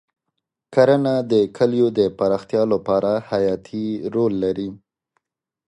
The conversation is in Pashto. کرنه د کلیو د پراختیا لپاره حیاتي رول لري.